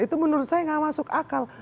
itu menurut saya tidak masuk akal